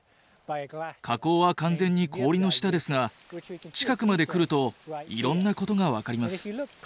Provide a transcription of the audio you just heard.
火口は完全に氷の下ですが近くまで来るといろんなことが分かります。